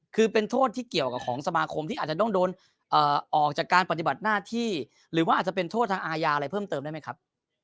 คือเป็นโทษที่เกี่ยวกับของสมาคมที่อาจจะต้องโดนออกจากการปฏิบัติหน้าที่หรือว่าอาจจะเป็นโทษทางอาญาอะไรเพิ่มเติมได้ไหมครับ